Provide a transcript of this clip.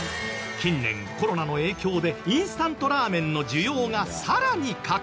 近年コロナの影響でインスタントラーメンの需要がさらに拡大。